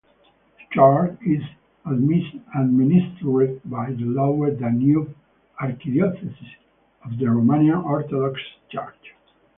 The church is administered by the Lower Danube Archdiocese of the Romanian Orthodox Church.